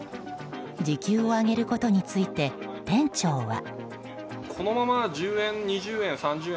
時給を上げることについて店長は。